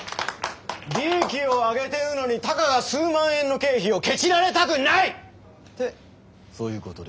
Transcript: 利益を上げてるのにたかが数万円の経費をケチられたくない！ってそういうことですよね部長。